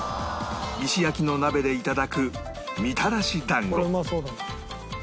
石焼きの鍋で頂くみたらし団子